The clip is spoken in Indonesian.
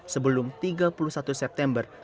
sebelum tiga puluh satu september